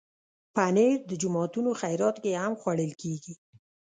پنېر د جوماتونو خیرات کې هم خوړل کېږي.